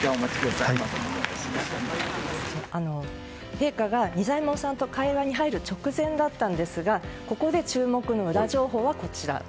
陛下が仁左衛門さんと会話に入る直前だったんですがここで注目のウラ情報が、こちら。